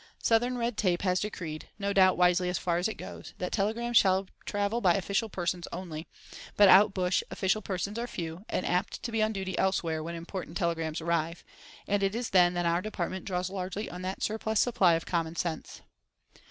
Southern red tape has decreed—no doubt wisely as far as it goes—that telegrams shall travel by official persons only; but out bush official persons are few, and apt to be on duty elsewhere when important telegrams arrive; and it is then that our Department draws largely on that surplus supply of common sense.